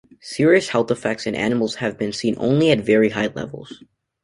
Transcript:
Serious health effects in animals have been seen only at very high levels.